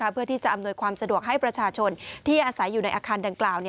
เพื่อที่จะอำนวยความสะดวกให้ประชาชนที่อาศัยอยู่ในอาคารดังกล่าว